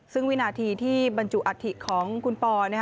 ซึ่งวินาทีที่บรรจุอัฐิของคุณปอ